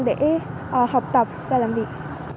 để học tập và làm việc